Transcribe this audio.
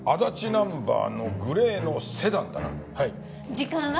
時間は？